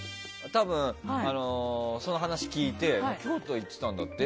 多分、その話を聞いて京都に行ってたんだって？